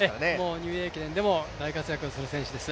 ニューイヤー駅伝でも大活躍する選手です。